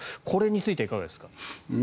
これについてはいかがですか。